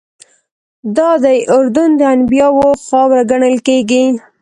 دادی اردن د انبیاوو خاوره ګڼل کېږي.